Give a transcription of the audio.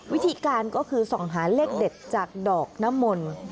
วิธีการก็คือส่องหาเลขเด็ดจากดอกน้ำมนต์